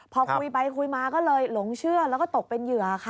พอคุยไปคุยมาก็เลยหลงเชื่อแล้วก็ตกเป็นเหยื่อค่ะ